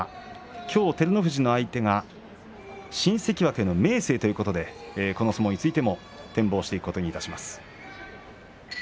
きょう、照ノ富士の相手が新関脇の明生ということでこの相撲についても展望していくことにいたします。